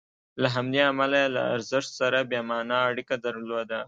له همدې امله یې له ارزښت سره بې معنا اړیکه درلوده.